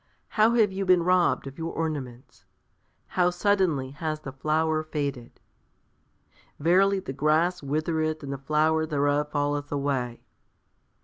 How have you been robbed of your ornaments! How suddenly has the flower faded! "Verily the grass withereth and the flower thereof falleth away20752075 1 Pet.